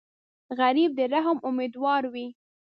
غریب د رحم امیدوار وي